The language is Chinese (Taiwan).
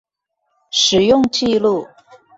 使用紀錄